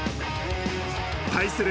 対する